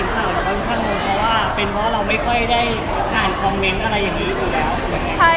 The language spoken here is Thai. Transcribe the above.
เพราะว่าเป็นเพราะเราไม่ค่อยได้อ่านคอมเม้นต์อะไรอย่างนี้อยู่แล้ว